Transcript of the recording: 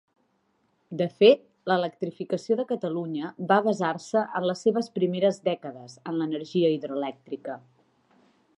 De fet, l'electrificació de Catalunya va basar-se en les seves primeres dècades en l'energia hidroelèctrica.